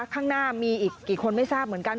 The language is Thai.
ข้างหน้ามีอีกกี่คนไม่ทราบเหมือนกัน